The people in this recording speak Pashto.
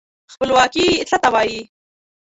خپلواکي څه ته وايي.